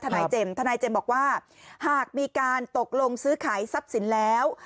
นายเจมส์ทนายเจมส์บอกว่าหากมีการตกลงซื้อขายทรัพย์สินแล้ว